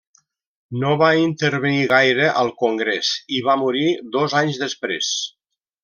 No va intervenir gaire al Congrés i va morir dos anys després.